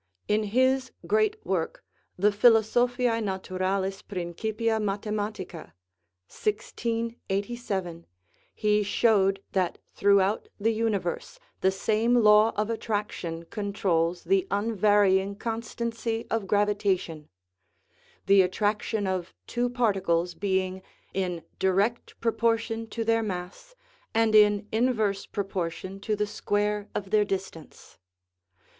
In his great work, the Philo sophiae Naturalis Principia Mathematica (1687), ne showed that throughout the universe the same law of attraction controls the unvarying constancy of gravi tation; the attraction of two particles being in direct proportion to their mass and in inverse proportion to the square of their distance.